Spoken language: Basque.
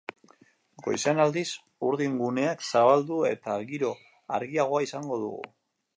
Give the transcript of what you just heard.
Goizean aldiz, urdin-guneak zabaldu eta giro argiagoa izango dugu.